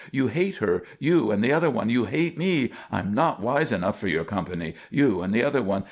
You hate her you and the other one! You hate me! I'm not wise enough for your company you and the other one.